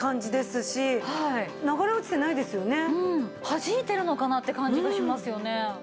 はじいてるのかなって感じがしますよね。